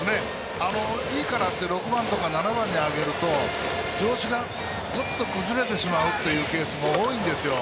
いいからって６番とか７番に上げると調子がグッと崩れてしまうというケースも多いんですよ。